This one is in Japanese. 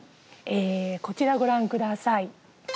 こちら、ご覧ください。